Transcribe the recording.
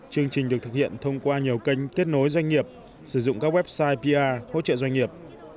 chương trình được thực hiện thông qua nhiều kênh kết nối doanh nghiệp sử dụng các website pia hỗ trợ doanh nghiệp